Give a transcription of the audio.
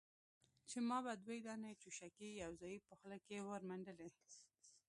چې ما به دوې دانې چوشکې يوځايي په خوله کښې ورمنډلې.